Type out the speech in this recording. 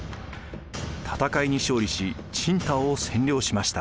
戦いに勝利し青島を占領しました。